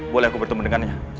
boleh aku bertemu dengannya